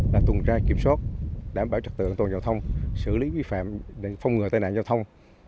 là tuần trai kiểm soát đảm bảo trật tượng tồn giao thông xử lý vi phạm phong ngừa tai nạn giao thông